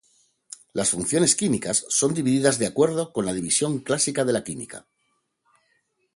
Las funciones químicas son divididas de acuerdo con la división clásica de la química.